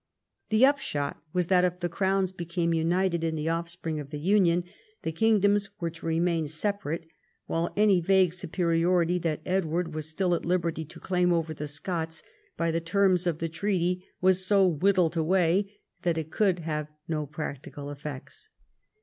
The upshot was that, if the crowns became united in the offspring of the union, the kingdoms were • to remain separate, while any vague superiority that Edward was still at liberty to claim over the Scots by the terms of the treaty was so whittled away that it could have no practical effects.